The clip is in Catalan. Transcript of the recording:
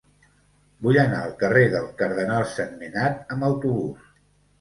Vull anar al carrer del Cardenal Sentmenat amb autobús.